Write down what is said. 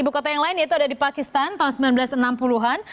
ibu kota yang lain yaitu ada di pakistan tahun seribu sembilan ratus enam puluh an